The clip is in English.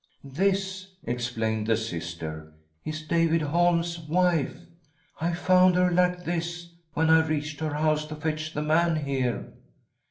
" This," explained the Sister, " is David Holm's wife. I found her 'like this when I reached her house to fetch the man here.